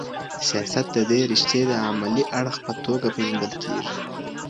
سياست د دې رشتې د عملي اړخ په توګه پېژندل کېږي.